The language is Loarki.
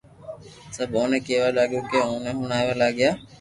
سب اوني ڪيوا لاگيا ڪي اوني ھڻاوي لاگيا